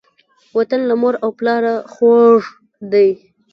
وطن له مور او پلاره خووږ دی.